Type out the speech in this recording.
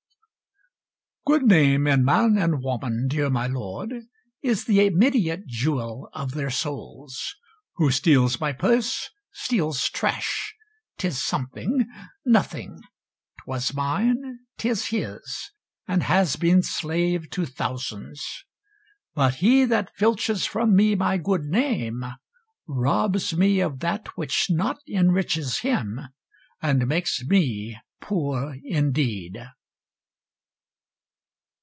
Good name in man and woman, dear my lord, Is the immediate jewel of their souls: Who steals my purse steals trash; 'tis something, nothing; 'Twas mine, 'tis his, and has been slave to thousands; But he that filches from me my good name Robs me of that which not enriches him, And makes me poor indeed.